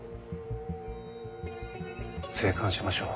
静観しましょう。